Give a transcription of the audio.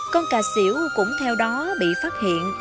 con cà xỉu cũng theo đó bị phát hiện